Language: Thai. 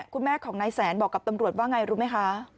คุณแม่ของนายแสนบอกกับตำรวจว่าไงรู้ไหมคะ